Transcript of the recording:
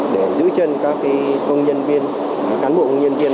để giữ chân các công nhân viên cán bộ công nhân viên